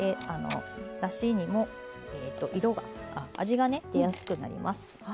だしにも味が出やすくなります。